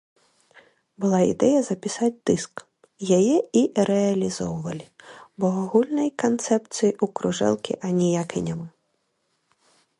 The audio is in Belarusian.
Была ідэя запісаць дыск, яе і рэалізоўвалі, бо агульнай канцэпцыі ў кружэлкі аніякай няма.